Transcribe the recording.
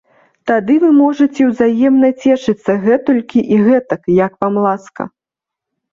Тады вы можаце ўзаемна цешыцца гэтулькі і гэтак, як вам ласка.